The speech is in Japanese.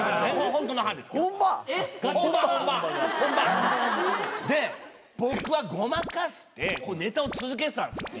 本番、で、僕はごまかして、ネタを続けてたんですよ。